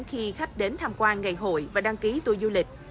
khi khách đến tham quan ngày hội và đăng ký tour du lịch